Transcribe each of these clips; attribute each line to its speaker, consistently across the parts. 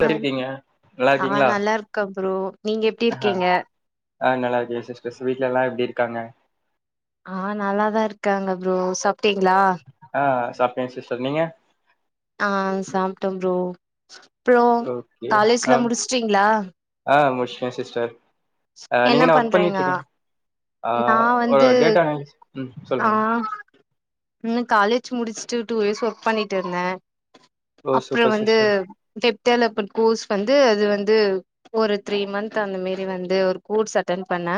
Speaker 1: எப்டி
Speaker 2: [unintelligible]
Speaker 1: இருக்கீங்க நல்லா
Speaker 2: ஆ
Speaker 1: இருக்கீங்களா
Speaker 2: நல்லாருக்கே ப்ரோ நீங்க எப்டி
Speaker 1: ஆஹ
Speaker 2: இருக்கீங்க
Speaker 1: ஆ நல்லாருக்கே சிஸ்டர்ஸ் வீட்ல எல்லா எப்டி இருக்காங்க
Speaker 2: ஆ நல்லாதா இருக்காங்க ப்ரோ சாப்ட்டீங்ளா
Speaker 1: ஆ சாப்ட்டே சிஸ்டர் நீங்க
Speaker 2: ஆ சாப்ட்டம் ப்ரோ அப்றோ
Speaker 1: ஓகே ஆ
Speaker 2: காலேஜ்லா முடிச்சுட்டீங்ளா
Speaker 1: ஆ முடிச்ட்டே சிஸ்டர் ஆ நீங்க என்ன ஒர்க் பண்ணிட்டு இருக்கீ ஆ
Speaker 2: நா
Speaker 1: ஒ
Speaker 2: வந்து
Speaker 1: டேட்டா அனலிஸ் ம் சொல்லுங்க
Speaker 2: ன்னு காலேஜ் முடிச்ட்டு டூ இயர்ஸ் ஒர்க் பண்ணிட்ருந்தே
Speaker 1: ஓ
Speaker 2: அப்றோ
Speaker 1: சூப்பர்
Speaker 2: வந்து
Speaker 1: சிஸ்டர்
Speaker 2: வெப் டெவெலப்ன்ட் கோர்ஸ் வந்து அது வந்து ஒரு த்ரீ மந்த்த் அந்த மேரி வ ந்து ஒரு கோர்ஸ் அட்டண் பணணே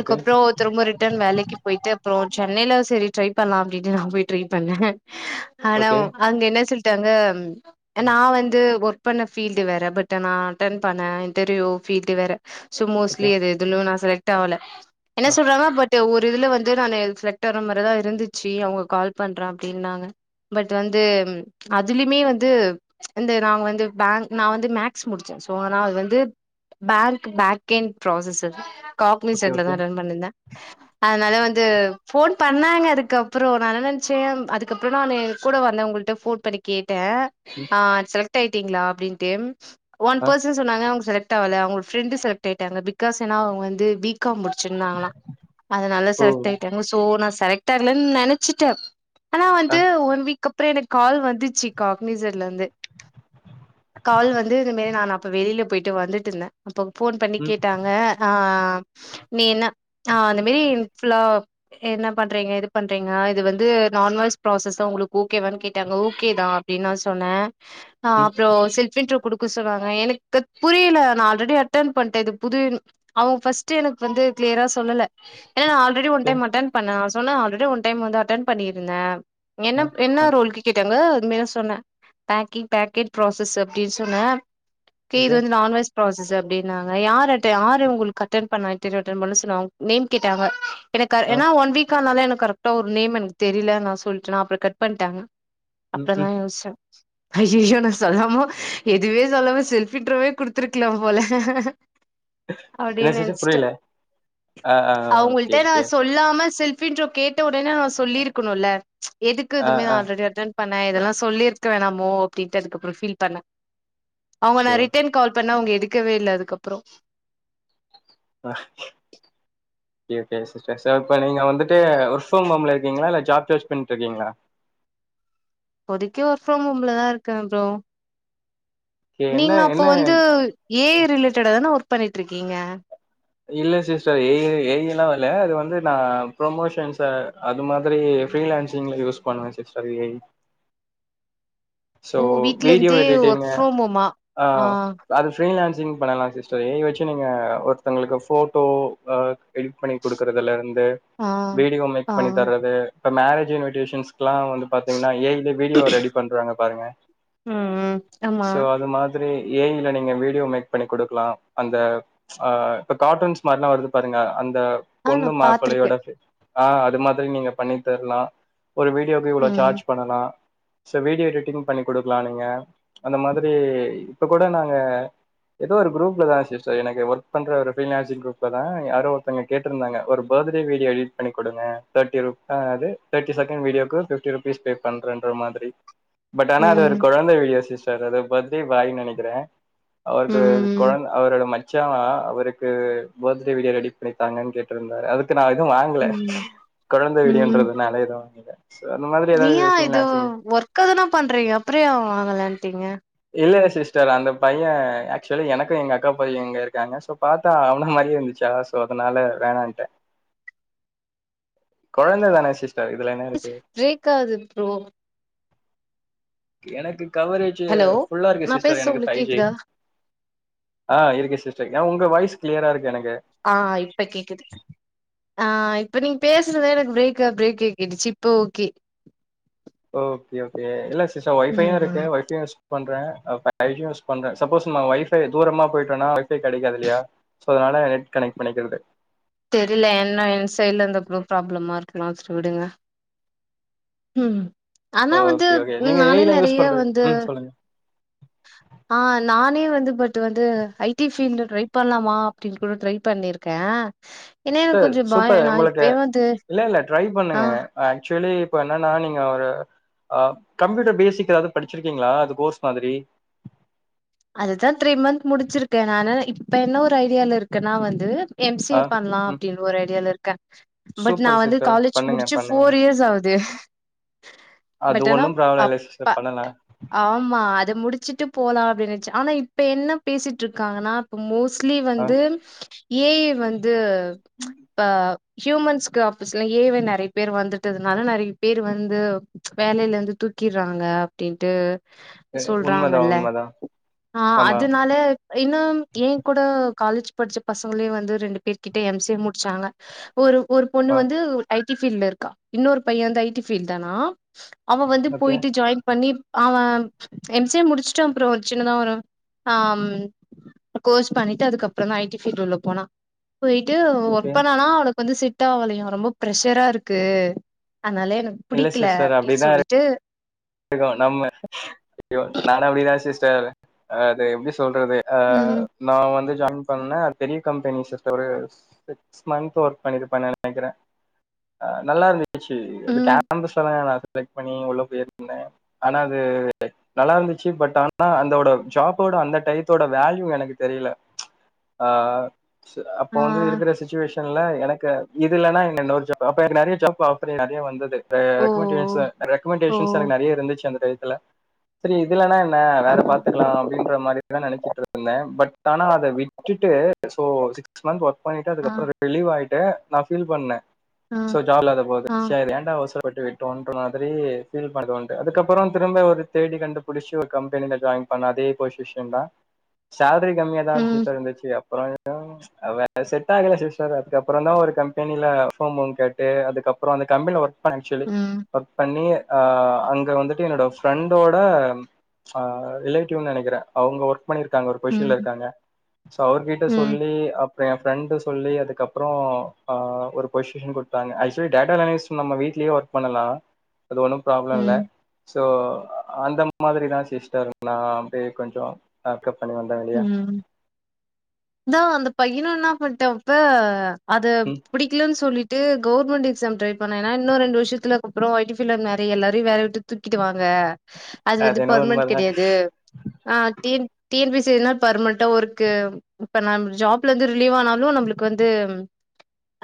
Speaker 1: ஓகே
Speaker 2: திரும்போ ரிட்டன் வேலைக்கு போயிட்டு அப்றோ சென்னைல சரி ட்ரை பண்லா அப்டினு அங்க போய் ட்ரை பண்ணே ஆனா
Speaker 1: ஓகே
Speaker 2: அங்க என்ன சொல்ட்டாங்க நா வந்து ஒர்க் பண்ண ஃபீல்டு வேற பட் நா அட்டன் பண்ண இன்டர்வியூ ஃபீல்டு வேற சோ
Speaker 1: ஓகே
Speaker 2: மோஸ்ட்லி அது எதுலயு நா செலக்ட் ஆவல என்ன
Speaker 1: ஆ
Speaker 2: சொல்றாங்க ப ட்டு ஒரு இதுல வந்து நானு செலக்ட் ஆற மாரிதா இருந்துச்சு அவுங்க கால் பண்றே அப்டின்னாங்க பட் வந்து அதுலுமே வந்து இந்த நாங்க வந்து பேங்க் நா வந்து மேக்ஸ் முடிச்சே சோ ஆனா அது வந்து பேங் க்கு பேக் என் ப்ராசஸ் அது
Speaker 1: ஓகே
Speaker 2: காக்னிசட்ல
Speaker 1: ஓகே
Speaker 2: தா ரன் பண்ணுந்த அதனால வந்து ஃபோன் பண்ணாங்க அதுக்கப்றோ நா என்ன நென்ச்சே அதுக்கப்றோ நானு கூட வந்தவுங்கள் ட்ட ஃபோன் பண்ணி கேட்டே
Speaker 1: ம்
Speaker 2: ஆ செலக்ட் ஆயிட்டீங்ளா அப்டின்ட்டு ஒன்
Speaker 1: ஆ
Speaker 2: பசன் சொன்னாங்க. அவுங் செல ட் ஆவல அவங்க ஃப்ரெண்டு செலக்ட் ஆயிட்டாங்க பிகாஸ் ஏன்னா அவுங்க வந்து பி காம் முடிச்சிருந்தாங்ளா அதுனாலா
Speaker 1: ஓ
Speaker 2: செலக்ட் ஆயிட்டாங்க சோ நா செலக்ட் ஆகலன் நெனைச்சுட்டே ஆனா
Speaker 1: ஆ
Speaker 2: வன்ட்டு ஒன் வீக் அப்பறோ எனக்கு கால் வந்துச்சு காக்னிசட்ல இருந்து கால் வந்து இது மாரி நானு அப்ப வெளில போயிட்டு வந்துட்டுந்தே அப்ப ஃபோன் பண்ணி
Speaker 1: ம்
Speaker 2: கேட்டாங்க ஆ நீ என்ன அ அந்த மேரி ஃபுல்லா என்ன பண்றீங்க இது பண்றீங்க இது வந்து நான் வாய்ஸ் ப்ராசஸ் தா உங்களுக்கு ஓக்கேவான் கேட்டாங்க ஓக்கேதா அப்படி நா சொன்னே அ
Speaker 1: ம்
Speaker 2: அப்றோ செல்ஃப் இன்ட்ரோ குடுக்க சொன்னாங்க எனக்கு அத் புரியல நா ஆல்ரெடி அட்டன் பண்ட்டே புது இன் அவுங்க ஃபஸ்ட்டு எனக்கு வந்து கிளியரா சொல்லல ஏனா நா already one
Speaker 1: okay
Speaker 2: time attend பண்ணே நா சொன்ன ஆல்ரடி ஒன் டைம் வந்து அட்டன் பண்ணிருந்தே
Speaker 1: ஆ
Speaker 2: என்னப் என்ன
Speaker 1: ஆ
Speaker 2: ரோல் கேட்டாங்க உண்மைய சொன்னே பேங்கிங் பேக் என் ப்ராசஸ்சு அப்டி சொன்னே க்கே இது
Speaker 1: ஓகே
Speaker 2: வந்து நான் வாய்ஸ் ப்ராசஸ் அப்டின்னாங்க யாருட்ட யாரு இவுங்ளுக்கு அட்டன் பண்ணா இன்டெர்வியூ அட்டென் பண்ண சொன்ன அவுங் நேம் கேட்டாங்க எனக்கு அ
Speaker 1: ஆ
Speaker 2: ஏன்னா ஒன் வீக் ஆனால எனக்கு கரெட்டா ஒரு நேம் எனக் தெரில நா சொல்ட்டனா அப்றோ கட் பண்ட்டாங்க
Speaker 1: ம் ம்
Speaker 2: அப்புறதா யோசிச்சே அய்யயோ நா சொல்லாம எதுவே சொல்லாம செல்ஃப் இன்ட்ரோவே குடு த்ருக்கலாம் போல
Speaker 1: என்ன
Speaker 2: அப்டின்னு
Speaker 1: சிஸ்டர்
Speaker 2: நெனச்சட்ட
Speaker 1: புரியல ஆ ஆ ஓகே
Speaker 2: அவுங்கள்ட்ட நா
Speaker 1: ஓகே
Speaker 2: சொல்லாம செல் ஃபீன்றோ கேட்ட உடனே நா சொல்லியிருக்குணுல்ல எதுக்கு
Speaker 1: ஆ
Speaker 2: இதுமே நா
Speaker 1: ஆ
Speaker 2: ஆல்ரெடி அட்டன் பண்ண இதெல்லா சொல்லிருக்க வேணாமோ அப்டின்ட்டு அதுக்கப்றோ ஃபீல் பண்ண அவுங்க நா
Speaker 1: ஷோர்
Speaker 2: ரிட்டன் கால் பண்ணா அவுங்க எடுக்கவே இல்ல அதுக்கப்றோ
Speaker 1: ஆ கே கே சிஸ்டர் இப்ப நீங்க வந்துட்டு ஒர்க் ஃப்ரம் ஹோம்ல இருக்கீங்ளா இல்ல ஜாப் சேர்ச் பண்ணிட்டு இருக்கீங்ளா
Speaker 2: இப்போதிக்கு ஒர்க் ஃப்ரம் ஹோம்ல தா‌ இருக்கே ஃப்ரோ
Speaker 1: ஓகே என்ன
Speaker 2: நீங்க அப்போ
Speaker 1: என்ன
Speaker 2: வந்து ஏ ஐ ரிலேட்டடா தான ஒர்க் பண்ணிட்டு இருக்கீங்க
Speaker 1: இல்ல சிஸ்டர் ஏ ஐ ஏ ஐலா வல்ல அது வந்து நா ப்ரொமோஷன்ஸ்ச அது மாதிரி ஃப்ரீலான்ஸிங்ள யூஸ் பண்ணுவே சிஸ்டர் ஏ ஐ சோ
Speaker 2: ஓ வீட்ல
Speaker 1: வீடியோ
Speaker 2: இருந்தே ஒர்க்
Speaker 1: எடிட்டிங்கு
Speaker 2: ஃப்ரம் ஹோமா
Speaker 1: ஆ அது ஃபிரீலான்ஸ்சிங் பண்ணலா சிஸ்டர் ஏ ஐ வச்சு நீங்க ஒருத்தங்களுக்கு போட்டோ எடிட் பண்ணி குடுக்குறதுல இருந்து
Speaker 2: ஆ
Speaker 1: வீடியோ மேக்
Speaker 2: ஆ
Speaker 1: பண்ணி தர்றது இப்போ மேரேஜ் இன்விடேஷன்ஸ்க்லா வந்து பாத்தீங்கன்னா ஏ ஐ ல வீடியோ ரெடி பண்ணறாங்க பாருங்க
Speaker 2: ம் ம் ஆமா
Speaker 1: சோ அது மா திரி ஏ ஐ ல நீங்க வீடியோ மேக் பண்ணி குடுக்லா அந்த ஆ இப்ப கார்ட்டூன்ஸ் மாரிலா வருது பாருங்க அந்த
Speaker 2: ஆ நா
Speaker 1: பொண்ணு
Speaker 2: பாத்திருக்கே
Speaker 1: மாப்பிளையோட சேத் ஆ அது மாதிரி நீங்க பண்ணி தரலா ஒரு வீடியோக்கு இவ்ளோ
Speaker 2: ம்
Speaker 1: சார்ஜ் பண்லா சோ வீடியோ எடிட்டிங் பண்ணி குடுக்கலா நீங்க அந்த மாரி இப்ப கூட நாங்க ஏதோ ஒரு குருப்ல தா சிஸ்டர் எனக்கு ஒர்க் பண்ற ஒரு ஃபிரீலான்ஸ்சிங் குரூப்ல தா யாரோ ஒருத்தவங்க கேட்ருந்தாங்க ஒரு பர்த்டே வீடியோ எடிட் பண்ணி குடுங்க தேர்டி ரு அதாவுது தேர்ட் டி செகன் வீடியோக்கு பீஃப்டி ரூப்ஸ் பே பண்ணுங்க பண்றன்ற மாதிரி பட் ஆனா அது ஒரு
Speaker 2: ம்
Speaker 1: கொழந்த வீடியோ சிஸ்டர் அது பர்துடே பாய்னு நெனைக்கிற அவருக்கு
Speaker 2: ம்
Speaker 1: கொழந்த அவுரோட ம ச்சா அவுருக்கு பர்த்டே வீடியோ ரெடி பண்ணி தாங்கனு கேட் இருந்தாரு அதுக்கு நா எதுவு வாங்கல
Speaker 2: ம்
Speaker 1: கொழந்த
Speaker 2: ம்
Speaker 1: விடியோன்றதுனால எது வாங்கல சோ அந்த மாரி எதாவுது விஷியங்ள அசி
Speaker 2: க்க தான பண்றீங்க அப்றே ஏ வாங்கலன்டீங்க
Speaker 1: இல்ல சிஸ்டர் அந்த பையன் ஆக்சுவல எனக்கு எங்க அக்கா பைய இங்க இருக்காங்க சோ பாத்தா அவன மாரியே இருந்துச்சா அதா சோ அதனால வேணான்ட்டே கொழந்த தான சிஸ்டர் இதுல என்ன இருக்கு
Speaker 2: பிரேக்காது ஃப்ரோ
Speaker 1: எனக்கு கவரேஜீ
Speaker 2: ஹலோ
Speaker 1: ஃபுல்லா இருக்கு
Speaker 2: நா
Speaker 1: சிஸ்டர்
Speaker 2: பேசுறது
Speaker 1: எனக்கு
Speaker 2: உங்களுக்கு
Speaker 1: ஃபைவ் ஜி
Speaker 2: கேக்குதா
Speaker 1: ஆ இருக்கு சிஸ்டர் ஏ உங்க வாயஸ் கிளியரா இருக்கு எனக்கு
Speaker 2: ஆ இப்ப கேக்குது ஆ இப்ப நீங்க பேசுறத எனக்கு பிரேக்கா பிரேக் கேட்டுச்சு இப்போ ஓகே
Speaker 1: ஓகே ஓகே இல்ல சிஸ்ஷா ஒய்ஃபையு
Speaker 2: ம்
Speaker 1: இருக்கு ஒய்ஃபை பண்றே நெட்டு யூஸ் பண்றே சப்போஸ் நம்ம ஒய்ஃபை துரமா போயிட்டோனா ஓய்ஃபை கெடைக்காதுல்லியா சோ அதனால நெட் கனைட் பண்ணிக்கிறது
Speaker 2: தெரியில என்ன என் சைட்ல இருந்த போ ப்ராப்ளமா இருக்கலா சேரி விடுங்க ம் ஆனா வந்து
Speaker 1: ஓகே, ஓகே. நீங்க
Speaker 2: நானே
Speaker 1: ஏஐலாம் யூஸ்
Speaker 2: நெறைய
Speaker 1: பண்றது
Speaker 2: வந்து
Speaker 1: ம் சொல்லுங்க. [inaudible]
Speaker 2: ஆ நானே வந்து பட் வந்து ஐ டி ஃபீல்டு ட்ரை பண்ணலாமா அப்டின்னு கூட ட்ரை பண்ணிருக்கே
Speaker 1: சிஸ்டர் சூப்பர் உங்களுக்கு
Speaker 2: வந்து
Speaker 1: இல்ல இல்ல ட்ரை
Speaker 2: ஆ
Speaker 1: பண்ணுங்க ஆக்சுவலி இப்ப என்னன்னா நீங்க ஒரு கம்ப்யூட்டர் பேசிக் எதாவுது படிச்சிருக்கீங்ளா அது கோர்ஸ் மாதிரி
Speaker 2: அதுதா த்ரீ மந்த் முடிச்சிருக்கே நானு இப்ப என்ன ஒரு ஐடியால இருக்கன்னா வந்து எம் சி
Speaker 1: ஆ,
Speaker 2: ஏ பண்லா
Speaker 1: ம்.
Speaker 2: அப்டின்னு ஒரு ஐடியால இருக்கே பட் நா
Speaker 1: சூப்பர்
Speaker 2: வந்து
Speaker 1: சிஸ்டர்.
Speaker 2: காலேஜ்
Speaker 1: பண்ணுங்க,
Speaker 2: முடிச்சு
Speaker 1: பண்ணுங்க.
Speaker 2: ஃபோர் இயர்ஸ் ஆவுது தே
Speaker 1: அது ஒன்னு ப்ராப்ளம் இல்ல
Speaker 2: அப்
Speaker 1: சிஸ்டர் பண்ணல
Speaker 2: ஆமா அது முடிச்சுட்டு போலா அப்டீன்னுச்சு ஆனா இப்ப என்ன பேசிட்ருக்காங்கன்னா இப்ப மோஸ்ட்லி
Speaker 1: ஆ,
Speaker 2: வந்து ஏ ஐ வந்து இப்ப ஹியூமன்ஸ்க்கு ஆபீஸ்ல ஏவே நறைய பேரு வந்துட்டதுனால நறைய பேரு வந்து வேலைல இந்து தூக்கிட்றாங்க அப்டீன்ட்டு
Speaker 1: உண்மதான்,
Speaker 2: சொல்றாங்கல்ல
Speaker 1: உண்மதான்.
Speaker 2: ஆ
Speaker 1: ஆமா.
Speaker 2: அது நா ல இன்னும் ஏ கூட காலேஜ் படிச்ச பசங்களே வந்து ரெண்டு பேர் கிட்ட எம் சி ஏ முடிச்சாங்க ஒரு ஒரு பெண்ணு
Speaker 1: ஆ,
Speaker 2: வந்து ஐ டி ஃபீல்டுல இருக்கா இன்னோரு பைய வந்து ஐ டி ஃபீல்ட் தானா அவ வந்து
Speaker 1: ஓகே,
Speaker 2: போயிட்டு ஜாயின் பண்ணி அவ எம் சி ஏ முடிச்சுட்டு அப்றோ செ இங்க தா வரா ஆம் கோர்ஸ் பண்ணிட்டு அதுக்கப்புறோந்தா ஐ டி ஃபீல்டுள்ள போனா போயிட்டு
Speaker 1: ஓகே.
Speaker 2: ஒர்க் பண்ணனா அவனுக்கு வந்து செ ட்டாவலயா ரொம்ப ப்ரெஷரா இருக்கு அதனால எனக்கு பிடிக்குல அப்டீன்னு சொல்லிட்டு
Speaker 1: இருக்கோ நம்ம அய்யோ நானு அப்டிதா சிஸ்டர் அது எப்டி சொல்றது ஆ
Speaker 2: ம்
Speaker 1: நா வந்து ஜாயின் பண்ணே பெரிய கம்பெனி சிஸ்டர் ஒரு சிக்ஸ் மந்த்து ஒர்க் பண்ணிருப்பேனு நெனைக்கிறே அ நல்லா இருந்துச்சு அது
Speaker 2: ம்
Speaker 1: கேம்பஸ்ல நா செலக்ட் பண்ணி உள்ள போயிருந் த ஆனா அது நல்லா இருந்துச்சு பட் ஆனா அந்தோட ஜாப்போட அந்த டைத்தோட வேல்யூ எனக்கு தெரியுல அ அப்ப
Speaker 2: ஆ
Speaker 1: வந்து இருக்கிற சுச்சுவேஷன் ல்ல எனக்கு இது இல்லன்னா இன்னோரு ஜாப் அப்ப நறைய ஜாப் ஆஃபரு நறைய வந்தது இந்த
Speaker 2: ஓ
Speaker 1: ரெக்கமன்டேஷ
Speaker 2: ஓ
Speaker 1: ரெக்கமண்டேஷன்ஸ் எனக்கு நறைய இருந்துச்சி அந்த டைத்துல செரி இதுலன்னா என்ன
Speaker 2: ஆ
Speaker 1: வேற பாத்துக்குலா அப்டீன்ற மாரிதா நெனைச்சிட்ருந்தே பட் ஆனா அத விட்டுட்டு சோ சிக்ஸ் மந்த் ஒர்க் பண்ணிட்டு
Speaker 2: ஆ
Speaker 1: அதுக்கப்புறோ ரிலீவ் ஆயிட்டு நா ஃபீல் பண்ணே
Speaker 2: ஆ
Speaker 1: சோ ஜாப் இல்லாத போது
Speaker 2: ஆ
Speaker 1: செரி ஏண்டா அவசர பட்டு விட்டோ அப்டீன்ற மாதிரி ஃபீல் பண்ணது உண்டு அதுக்கப்புறோ திரும்ப ஒரு தேடி கண்டு பிடிச்சி ஒரு கம்பெனியில ஜாயின் பண்ண அதே பொஷிசந்தா சேல்ரி கம்மியாதா
Speaker 2: ம்
Speaker 1: சிஸ்டர் இருந்துச்சு அப்புறோ எதயோ அ வேற செட் ஆகல சிஸ்டர் அதுக்கப்புறோந்தா ஒரு கம்பெனியில ஃபோம் பண்ணி கேட்டு அதுக்கப்புறோ அந்த கம்பெனில ஒர்க் பங்ச்சுவலி
Speaker 2: ம்
Speaker 1: ஒர்க் பண்ணி அ அங்கே வந்துட்டு என்னோட ஃப்ரெண்டோட அ ரிலேட்டிவ்னு நெனைக்கிறே அவுங்க ஒர்க் பண்ணிருக்காங்க ஒரு பொஷ்ஷன்ல
Speaker 2: ம்
Speaker 1: இருக்காங்க சோ அவருகிட்ட
Speaker 2: ம்
Speaker 1: சொல்லி அப்ப எ ஃப்ரெண்டு சொல்லி அதுக்கப்புறோ அ ஒரு பொசிஷன் குடுத் ஆக்சுவலி டேட்டா அனலைஸ் நம்ம வீட்லயே ஒர்க் பண்ணலா அது ஒன்னு ப்ராப்ளம் இல்ல
Speaker 2: ம்
Speaker 1: சோ அந்த மாதிரி தா சிஸ்டர் நா அப்டியே கொஞ்சோ மேக்கப் பண்ணி வந்தங்க
Speaker 2: ம் இதா அந்த பையனோ இன்னா பண்ட்டாப்ப அத
Speaker 1: ம்
Speaker 2: பிடிக்கலன்னு சொல்லிட் ட்டு கவர்மெண்ட் எக்ஸாம் ட்ரை பண்ண ஏன்னா இன்னோ ரெண்டு வர்ஷத்துல அப்புறோ ஐ டி ஃபீல்டுல நறைய எல்லாரையு வேலய விட்டு தூக்கிடு வாங்க அது வந்து
Speaker 1: என்னவோ
Speaker 2: பர்மனண்ட்
Speaker 1: உண்மதா
Speaker 2: கிடையாது ஆ T N T N P C ட்டு பர்மனண்டா ஒர்க்கு இப்ப நம் ஜாப்ல இருந்து ரிலீவ் ஆனாலு நம்முளுக்கு வந்து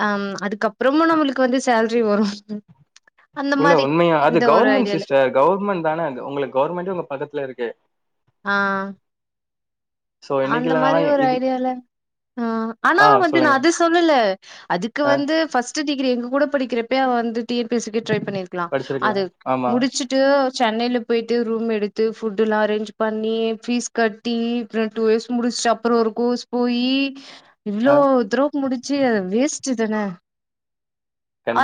Speaker 2: ஆம் அதுக்கப்புறமா நம்முளுக்கு வந்து சேல்ரி வரோ
Speaker 1: உள்ள உண்மையா அது கவர்மெண்ட்
Speaker 2: ஐடியால
Speaker 1: சிஸ்டர் கவர்மெண்ட் தான அது உங்குளுக்கு கவர்மெண்டே உங்க பக்கத்துல இருக்கு
Speaker 2: ஆ
Speaker 1: சோ இன்னைக்கு
Speaker 2: அந்த மாரி
Speaker 1: இல்லனாலு
Speaker 2: ஒரு
Speaker 1: இது
Speaker 2: ஐடியால ஆ ஆனா
Speaker 1: ஆ
Speaker 2: வந்து
Speaker 1: சொல்லுங்க
Speaker 2: அது சொல்லல அதுக்கு
Speaker 1: ஆ
Speaker 2: வந்து ஃப்ர்ஸ்டு டிகிரி எங்க கூட படிக்கிறப்ப அவ வந்து கேம்பஸ்கே ட்ரை பண்ணிருக்கலா
Speaker 1: படிச்சிருக்கலா
Speaker 2: அது
Speaker 1: ஆமா
Speaker 2: முடிச்சுட் டு சென்னையில போயிட்டு ரூம் எடுத்து ஃபுட்டு எல்லா அரேஞ்ச் பண்ணி ஃபீஸ் கட்டி டூ இயர்ஸ் முடிச்சுட்டு அப்றோ ஒரு கோர்ஸ் போய் இவ்ளோ
Speaker 1: ஆ
Speaker 2: தூரோ முடிச்சு அத வேஸ்ட் தான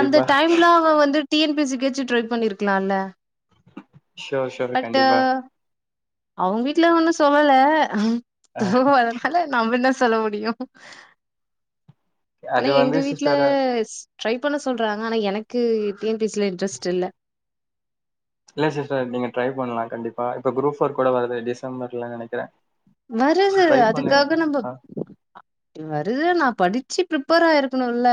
Speaker 2: அந்த டைம்ல அவ வந்து டி என் பி சி காச்சு ட்ரை பண்ணிருக்கலாம்ல்ல
Speaker 1: ஷோர் ஷோர் கண்டிப்பா
Speaker 2: அவங்க வீட்ல ஒன்னு சொல்லல
Speaker 1: ஆ
Speaker 2: தக அதனால நம்ம என்ன சொல்ல முடியு ஆனா
Speaker 1: அது
Speaker 2: எங்க
Speaker 1: வந்து
Speaker 2: வீட்ல
Speaker 1: சிஸ்டர்
Speaker 2: ட்ரை பண்ண சொல்றாங்க ஆனா எனக்கு டி என் பி சி ல இண்ட்ரெஸ்ட் இல்ல
Speaker 1: இல்ல சிஸ்டர் நீங்க ட்ரை பண்ணலா கண்டிப்பா இப்போ குரூப் ஃபோர் கூட வருது டிசம்பர்ல நெனைக்கிறே
Speaker 2: வருது அதுக்காக நம்ப வருது நா படிச்சு ப்ரிப்பேர் ஆயிருக்கணுல்ல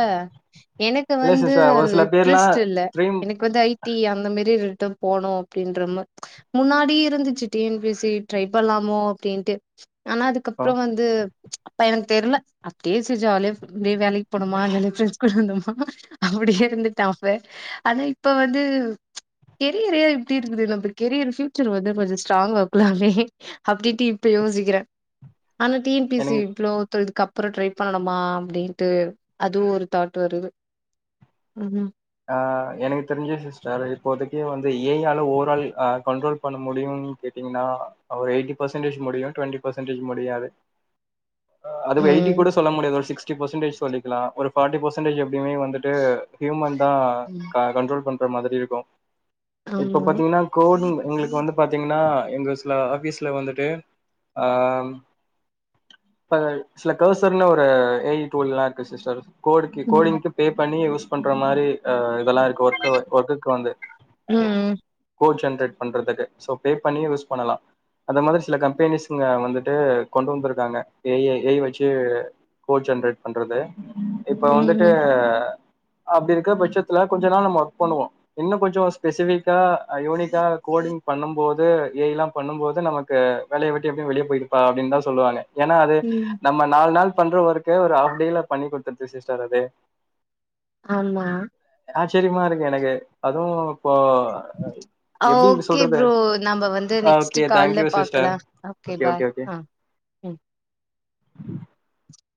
Speaker 2: எனக்கு
Speaker 1: இல்ல
Speaker 2: வந்து
Speaker 1: சிஸ்டர் ஒரு
Speaker 2: அது
Speaker 1: சில பேர்லாம்
Speaker 2: இண்ட்ரெஸ்ட் இல்ல
Speaker 1: ட்ரீம்
Speaker 2: எனக்கு வந்து ஐ டி அந்த மாதிரி ருட்டு போனு அப்டின்ற முன்னாடி இருந்துச்சு T M P C try பண்ணலாமோ அப்படிண்ட்டு ஆனா
Speaker 1: அ
Speaker 2: அதுக்கப்பறோ வந்து ச் அப்ப எனக்கு தெர்ல அப்டியே செரி ஜாலியா அவே வேலைக்கு போனோமா ஜாலியா ஃப்ரெண்ட்ஸ் கூட வந்தோமா அப்டியே இருந்துட்ட அப்ப ஆனா இப்ப வந்து ச் கெரியரே எப்டி இருக்குது நம்ம கெரியர் ஃபியூச்சர் வந்து கொஞ்சோ ஸ்ட்ராங்கா ஆக்கலாமே அப்டிண்ட்டு ப்போ யோசிக்கிறே ஆனா டி எம் பி சி
Speaker 1: எனக்கு
Speaker 2: ப்ளோ இதுக்கப்றோ ட்ரை பண்ணணுமா அப்டிண்டு அதுவு ஓரு தாட் வருது ம்
Speaker 1: ஆ எனக்கு தெரிஞ்சு சிஸ்டர் இப்போதக்கு வந்து ஏ ஆல ஓவரால் கண்ட்ரோல் பண்ண முடியு கேட்டீங்கன்னா ஒரு எயிட்டி பர்சண்டேஜ் முடியு டொண்ட்டி பர்சன்டேஜ் முடியாது அதுவு எய்ட்டி கூட
Speaker 2: ம்
Speaker 1: சொல்ல முடியாது ஒரு சிக்ஸ்டி பர்சன்டேஜ் சொல்லிக்கலா ஒரு ஃபார்ட்டி பர்சன்டேஜ் எப்பயுமே வந்துட்டு ஹியூமன் தா
Speaker 2: ம்
Speaker 1: கண்ட்ரோல் பண்ற மாரி இருக்கு
Speaker 2: ஆமா
Speaker 1: இப்ப பாத்தீங்கன்னா கோடிங் எங்களுக்கு வந்து பாத்தீங்கன்னா எங்க சில ஆபீஸ்ல வந்துட்டு ஆ இப்ப சில கர்சர்ல ஒரு எயிட் டூ லாக் சிஸ்டர் கோடுக்கு
Speaker 2: ம்
Speaker 1: கோடிங்கு இப்போ பே பண்ணி யூஸ் பண்ற மாரி இருக்கு அ இதெல்லா இருக்கு ஒர்க் ஒர்க்குக்கு வந்து
Speaker 2: ம்
Speaker 1: கோட் ஜென்ரேட் பண்றதுக்கு சோ பே பண்ணி யூஸ் பண்ணலா அந்த மாரி சில கம்பெனிஸ்ங்க வந்துட்டு கொண்டு வந்திருக்காங்க ஏ ஏஐ வச்சு கோட் ஜன்ரேட் பண்றது இப்ப வந்துட்டு
Speaker 2: ம்
Speaker 1: அப்டி இருக்க பட்ஜ ஜ்ஜத்துல கொஞ்ச நாள் நம்ம ஒர்க் பண்ணுவோ இன்னு கொஞ்சோ பெசிபிக்கா யூனிக்கா கோடிங் பண்ணு போது ஏய் எல்லா பண்ணும்போது நமக்கு வேலய விட்டு எப்டியு வெளிய போயிருப்பா அப்டின்னு தா சொல்லுவாங்க ஏன்னா அது
Speaker 2: ம்
Speaker 1: நம்ம நாலு நாள் பண்ற ஒர்க்க ஒரு ஹாப் டேல பண்ணி கொடுத்துருது சிஸ்டர் அது
Speaker 2: ஆமா
Speaker 1: ஆச்சிரியமா இருக்கு எனக்கு அதுவு இப்போ எப்டி
Speaker 2: ஓகே
Speaker 1: சொல்றது
Speaker 2: ப்ரோ நம்ம வந்து
Speaker 1: ஆ
Speaker 2: நெக்ஸ்ட்
Speaker 1: ஓகே
Speaker 2: கால்ல
Speaker 1: தன்க்யூ சிஸ்டர்
Speaker 2: பாக்கலா
Speaker 1: ஓகே
Speaker 2: பாய்
Speaker 1: ஓகே ஓகே
Speaker 2: ஆ ம்